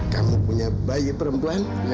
kamu punya bayi perempuan